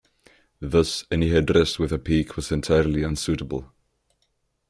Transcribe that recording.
Thus, any headdress with a peak was entirely unsuitable.